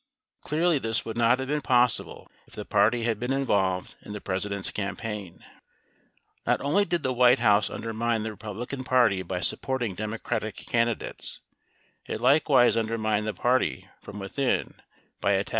0 Clearly this would not have been possible if the party had been involved in the President's campaign. Not only did the White House undermine the Republican Party by supporting Democratic candidates, it likewise undermined the party from within, by attacking Republican candidates.